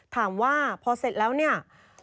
ถามว่าพอเสร็จแล้วเนี่ย